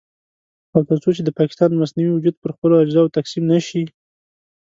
او تر څو چې د پاکستان مصنوعي وجود پر خپلو اجزاوو تقسيم نه شي.